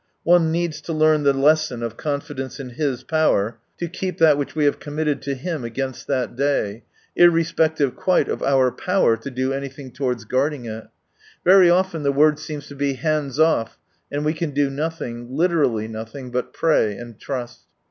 One needs to learn the lesson of confidence in His power to keep that which we have committed to Him against that day, irrespective quite of our power to do anything towards guarding it Very often the word seems to be " Hands off," and we can do nothing, literally nothing, but pray and trust.